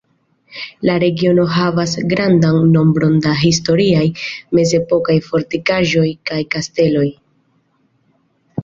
La regiono havas grandan nombron da historiaj mezepokaj fortikaĵo kaj kasteloj.